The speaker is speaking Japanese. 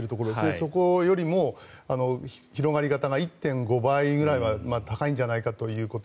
そこよりも広がり方が１．５倍ぐらいは高いんじゃないかということ。